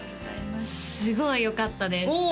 すごいよかったです